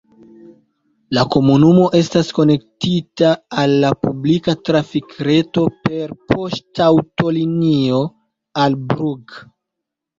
La komunumo estas konektita al la publika trafikreto per poŝtaŭtolinio al Brugg.